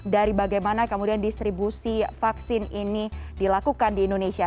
dari bagaimana kemudian distribusi vaksin ini dilakukan di indonesia